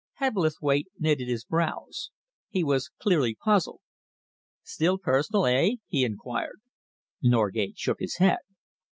Hebblethwaite knitted his brows. He was clearly puzzled. "Still personal, eh?" he enquired. Norgate shook his head.